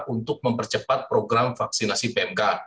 untuk mempercepat program vaksinasi pmk